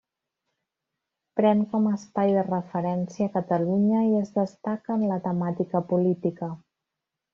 Pren com a espai de referència Catalunya i es destaca en la temàtica política.